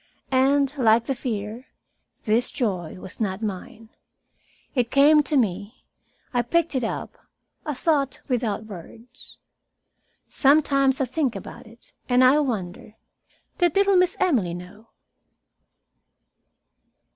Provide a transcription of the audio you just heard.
And, like the fear, this joy was not mine. It came to me. I picked it up a thought without words. Sometimes I think about it, and I wonder did little Miss Emily know?